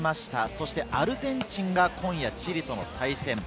そしてアルゼンチンが、今夜、チリと対戦。